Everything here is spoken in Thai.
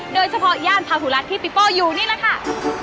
โดยเฉพาะย่านพาถุรัฐที่ปิปป้ออยู่นี่แหละค่ะ